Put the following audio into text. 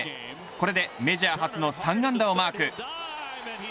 これでメジャー初の３安打をマーク。